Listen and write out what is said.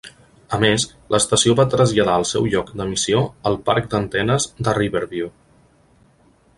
A més, l'estació va traslladar el seu lloc d'emissió al parc d'antenes de Riverview.